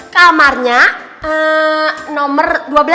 kamarnya nomor dua belas